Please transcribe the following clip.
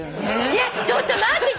えっちょっと待って！